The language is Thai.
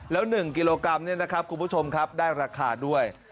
แล้ว๑กิโลกรัมเนี่ยนะครับคุณผู้ชมครับได้ราคาด้วย